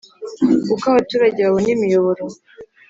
Uko abaturage babona imiyoboro